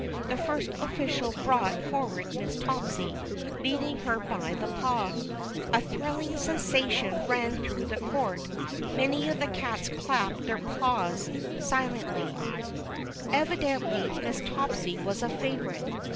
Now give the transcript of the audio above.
The First Official brought forward Miss Topsy, lead ing her by the paw. A thrilling sensation ran through the court. Many of the cats clapped their paws 370 THE CHILDREN'S WONDER BOOK. silently. Evidently, Miss Topsy was a favorite.